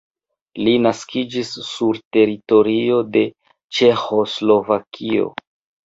Li naskiĝis sur teritorio de Ĉeĥoslovakio.